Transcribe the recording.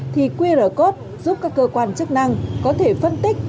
thì qr code giúp các cơ quan chức năng có thể phân tích